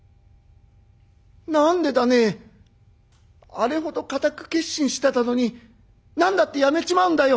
あれほど固く決心してたのに何だってやめちまうんだよ」。